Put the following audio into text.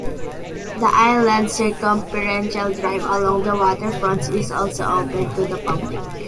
The island's circumferential drive along the waterfront is also open to the public.